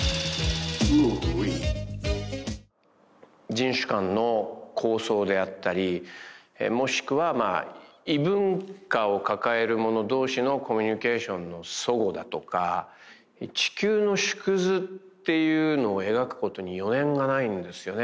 人種間の抗争であったりもしくは異文化を抱える者同士のコミュニケーションのそごだとか地球の縮図っていうのを描くことに余念がないんですよね